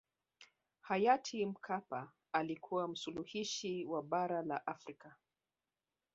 hayati mkapa alikuwa msuluhishi wa bara la afrika